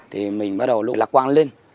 thì mình bắt đầu lạc quan lên